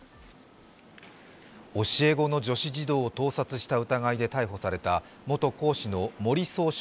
教え子の女子児童を盗撮した疑いで逮捕された元講師の森崇翔